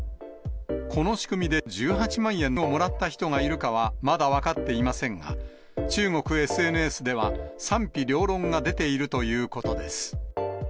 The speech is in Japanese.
この仕組みで１８万円をもらった人がいるかはまだ分かっていませんが、中国ＳＮＳでは、賛否両論が出ているということです。